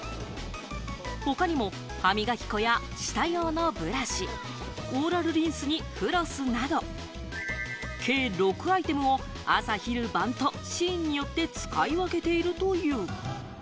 他にも歯磨き粉や舌用のブラシ、オーラルリンスにフロスなど、計６アイテムを朝、昼、晩とシーンによって使い分けているという。